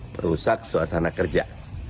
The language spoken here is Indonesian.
merusak suasana kerja